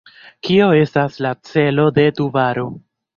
Kio estas la celo de Tubaro?